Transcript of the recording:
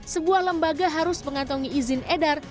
sebuah lembaga harus mengantongi izin edar